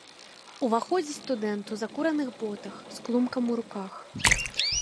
Уваходзіць студэнт у закураных ботах, з клумкам у руках.